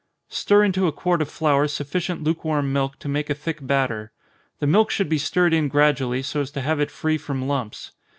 _ Stir into a quart of flour sufficient lukewarm milk to make a thick batter. The milk should be stirred in gradually, so as to have it free from lumps.